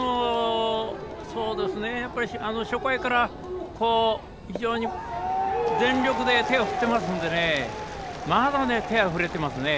初回から全力で手を振っていますのでねまだ手が振れていますね。